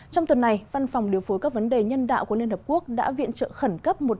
trong tuần này văn phòng điều phối các vấn đề nhân đạo của liên hợp quốc đã viện trợ khẩn cấp